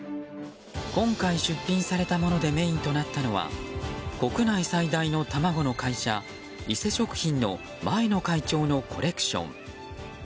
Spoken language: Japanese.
今回出品されたものでメインとなったのは国内最大の卵の会社、イセ食品の前の会長のコレクション。